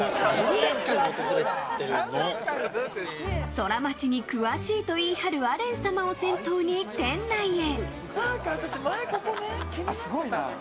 ソラマチに詳しいと言い張るアレン様を先頭に店内へ。